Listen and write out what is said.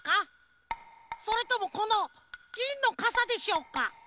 それともこのぎんのかさでしょうか？